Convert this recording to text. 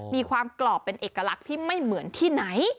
มีความกรอบเป็นเอกลักษณ์ที่ไม่เหมือนที่ไหน